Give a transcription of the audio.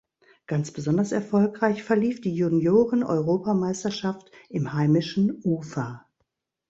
Ganz besonders erfolgreich verlief die Junioren-Europameisterschaft im heimischen Ufa.